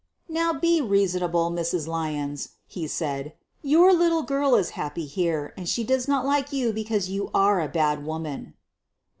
"Now, be reasonable, Mrs. Lyons," he said. "Your little girl is happy here, and she does not like you because you are a bad woman.